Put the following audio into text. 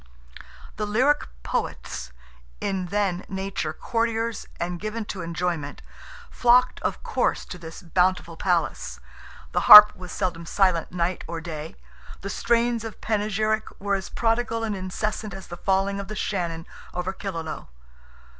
The lyric Poets, in their nature courtiers and given to enjoyment, flocked, of course, to this bountiful palace. The harp was seldom silent night or day, the strains of panegyric were as prodigal and incessant as the falling of the Shannon over Killaloe.